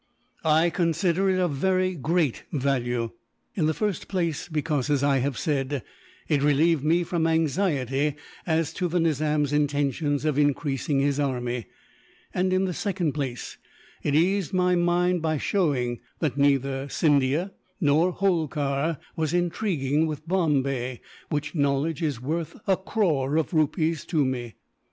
"I consider it of very great value. In the first place because, as I have said, it relieved me from anxiety as to the Nizam's intentions of increasing his army; and in the second place, it eased my mind by showing that neither Scindia nor Holkar was intriguing with Bombay, which knowledge is worth a crore of rupees to me.